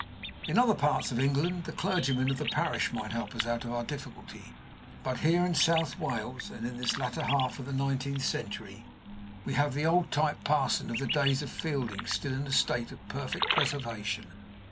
In other parts of England the clergyman of the parish might help us out of our difficulty; but here in South Wales, and in this latter half of the nineteenth century, we have the old type parson of the days of Fielding still in a state of perfect preservation.